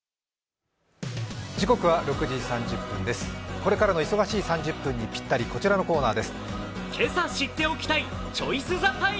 これからの忙しい３０分にぴったりこちらのコーナーです。